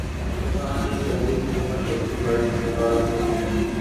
پاکستان نے پہلی مکمل برقی گاڑی متعارف کرادی